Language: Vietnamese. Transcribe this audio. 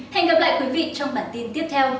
hẹn gặp lại quý vị trong bản tin tiếp theo